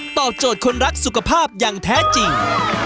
โจทย์คนรักสุขภาพอย่างแท้จริง